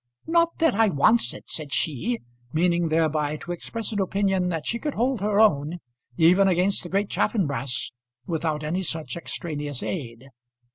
"Not that I wants it," said she, meaning thereby to express an opinion that she could hold her own, even against the great Chaffanbrass, without any such extraneous aid.